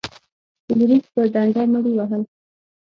فلیریک په ډنډه مړي وهل.